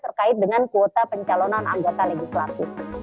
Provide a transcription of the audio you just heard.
terkait dengan kuota pencalonan anggota legislatif